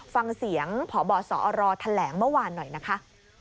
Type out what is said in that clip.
ฟังเสียงพบสอรแถลงเมื่อวานหน่อยนะคะ